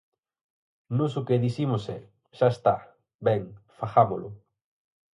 Nós o que dicimos é: xa está, ben, fagámolo.